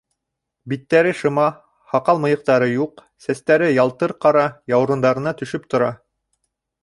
Биттәре шыма, һаҡал-мыйыҡтары юҡ, сәстәре ялтыр ҡара, яурындарына төшөп тора.